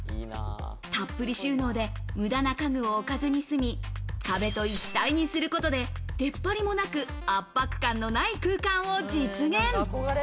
たっぷり収納で無駄な家具を置かずに済み、壁と一体にすることで出っ張りもなく圧迫感のない空間を実現。